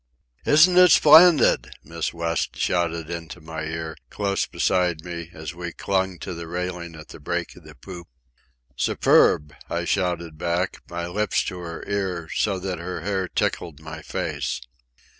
"Isn't it splendid!" Miss West shouted into my ear, close beside me, as we clung to the railing of the break of the poop. "Superb!" I shouted back, my lips to her ear, so that her hair tickled my face.